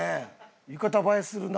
浴衣映えするな。